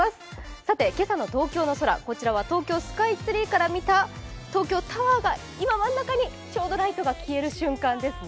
さて、今朝の東京の空、こちらは東京スカイツリーから見た東京タワーが今、真ん中にちょうどライトが消える瞬間ですね。